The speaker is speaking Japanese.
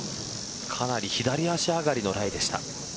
かなり左足上がりのライでした。